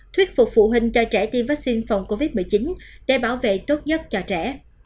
thuyết phục phụ huynh cho trẻ tiêm vaccine phòng covid một mươi chín để bảo vệ tốt nhất cho trẻ